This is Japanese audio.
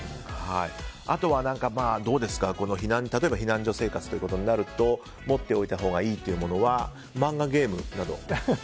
あとは、例えば避難所生活となると持っておいたほうがいいというものは漫画、ゲームなど。